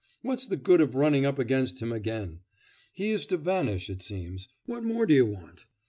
What's the good of running up against him again? He is to vanish, it seems. What more do you want?